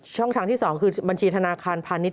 ช่องทางที่๒คือบัญชีธนาคารพาณิชย